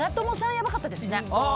ヤバかったですね。